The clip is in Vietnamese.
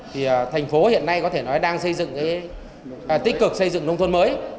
thì thành phố hiện nay có thể nói đang xây dựng tích cực xây dựng nông thôn mới